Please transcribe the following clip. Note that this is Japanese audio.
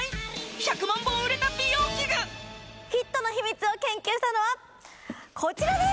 １００万本売れた美容器具ヒットの秘密を研究したのはこちらです